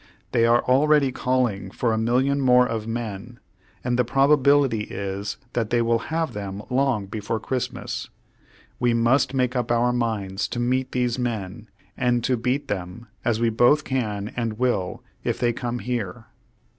They are already calling for a million more of men, and the probability is that they will have them long before Christmas, We must make up our minds to meet these men, and to beat them, as we both can and will if they come here."